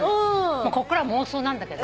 もうこっからは妄想なんだけど。